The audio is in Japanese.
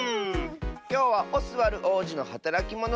きょうは「オスワルおうじのはたらきモノ」